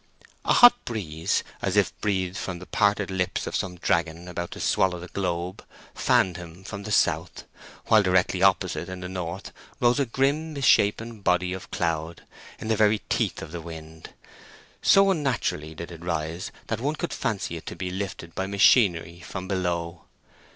A hot breeze, as if breathed from the parted lips of some dragon about to swallow the globe, fanned him from the south, while directly opposite in the north rose a grim misshapen body of cloud, in the very teeth of the wind. So unnaturally did it rise that one could fancy it to be lifted by machinery from below.